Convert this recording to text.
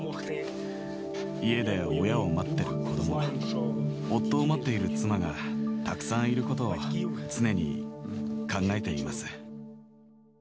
家で親を待ってる子ども、夫を待っている妻がたくさんいることを常に考えています。